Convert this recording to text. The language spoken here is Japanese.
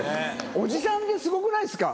おじさんですごくないですか？